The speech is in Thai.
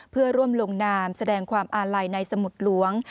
เพื่อร่วมลงนามแสดงความอาลัยในสมุดหลวง